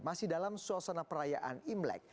masih dalam suasana perayaan imlek